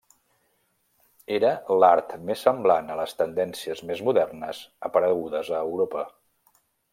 Era l'art més semblant a les tendències més modernes aparegudes a Europa.